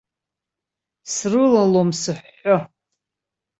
Срылалом сыҳәҳәо.